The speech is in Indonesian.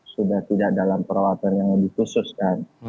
sudah tidak dalam perawatan yang lebih khusus kan